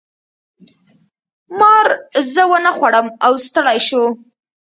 مار زه ونه خوړم او ستړی شو.